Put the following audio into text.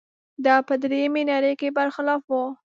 دا په درېیمې نړۍ کې برخلاف و.